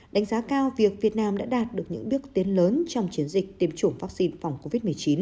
đánh giá cao việc việt nam đã đạt được những bước tiến lớn trong chiến dịch tiêm chủng vaccine phòng covid một mươi chín